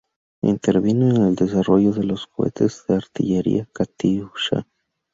Intervino en el desarrollo de los cohetes de artillería Katyusha.